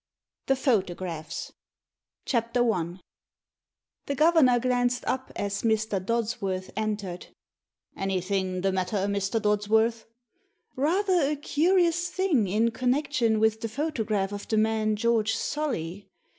THE PHOTOGRAPHS CHAPTER I THE governor glanced up as Mr. Dodsworth entered. "Anything the matter, Mr. Dodsworth?" "Rather a curious thing in connection with the photograph of the man George Solly.